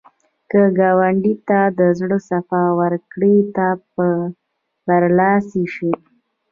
که ګاونډي ته د زړه صفا ورکړې، ته به برلاسی شې